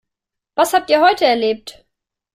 Was habt ihr heute erlebt?